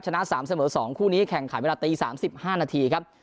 ชนะ๓เสมอ๒คู่นี้แข่งขันเวลาตี๓๕นาทีครับ